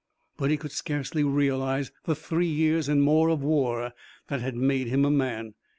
But he could scarcely realize the three years and more of war that had made him a man.